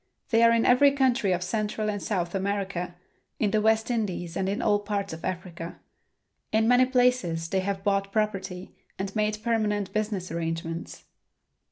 They are in every country of Central and South America, in the West Indies and in all parts of Africa. In many places they have bought property and made permanent business arrangements.